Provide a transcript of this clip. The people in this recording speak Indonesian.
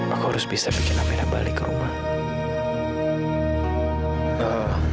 aku harus bisa bikin amera balik ke rumah